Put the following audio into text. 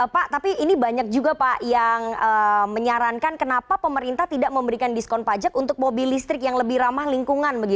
pak tapi ini banyak juga pak yang menyarankan kenapa pemerintah tidak memberikan diskon pajak untuk mobil listrik yang lebih ramah lingkungan